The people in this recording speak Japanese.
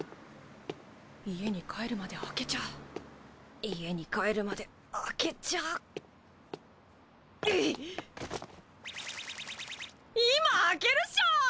家に帰るまで開けちゃあ家に帰るまで開けちゃあ今開けるっしょー！！